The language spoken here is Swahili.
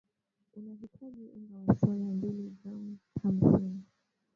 utahitaji unga wa soya mbili gram hamsini